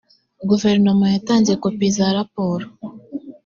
guverinoma yatanze kopi za raporo